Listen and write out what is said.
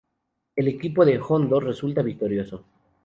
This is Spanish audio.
El equipo de Hondo resulta victorioso.